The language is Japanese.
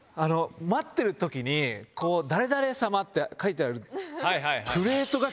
待ってる時に誰々様って書いてある。